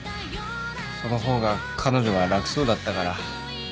そのほうが彼女が楽そうだったから。